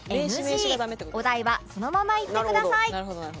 お題はそのまま言ってください